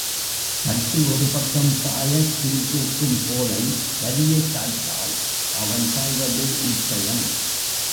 தட்டு ஒரு பக்கம் சாயச் சீர்தூக்கும் கோலை வலியச் சாய்த்தால் அவன் சாய்வது நிச்சயம்.